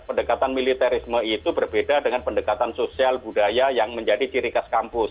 pendekatan militerisme itu berbeda dengan pendekatan sosial budaya yang menjadi ciri khas kampus